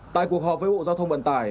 tại cuộc họp với bộ giao thông vận tải